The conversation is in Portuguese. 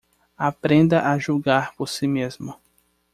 Aprenda a julgar por si mesmo